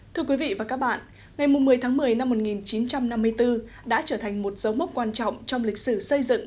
thưa quý vị và các bạn ngày một mươi tháng một mươi năm một nghìn chín trăm năm mươi bốn đã trở thành một dấu mốc quan trọng trong lịch sử xây dựng